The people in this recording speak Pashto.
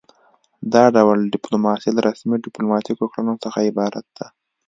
دا ډول ډیپلوماسي له رسمي ډیپلوماتیکو کړنو څخه عبارت ده